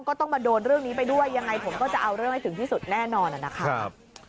ก็ต้องมาโดนเรื่องนี้ไปด้วยยังไงผมก็จะเอาเรื่องให้ถึงที่สุดแน่นอนนะครับ